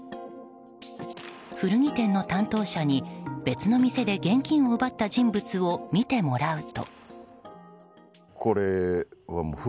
古着店の担当者に別の店で現金を奪った人物を見てもらうと。